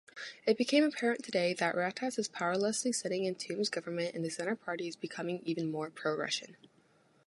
It became apparent today that Ratas is powerlessly sitting in Toom’s government and the Center Party is becoming even more pro-Russian.